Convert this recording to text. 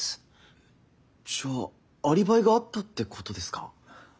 じゃあアリバイがあったってことですか？